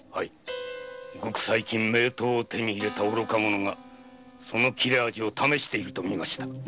最近名刀を手に入れた愚か者が切れ味を試していると見ました。